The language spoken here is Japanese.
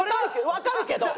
わかるけど！